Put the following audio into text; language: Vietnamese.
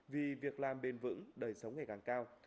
vì việc làm bền vững đời sống ngày càng cao